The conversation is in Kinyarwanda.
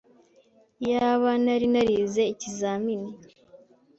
Iyaba nari narize cyane ikizamini.